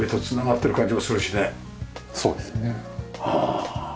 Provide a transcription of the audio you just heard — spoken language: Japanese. そうですね。